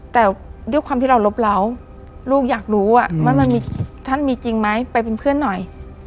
แต่ด้วยความที่เรารบเล้าลูกอยากรู้ว่ามันมีท่านมีจริงไหมไปเป็นเพื่อนหน่อย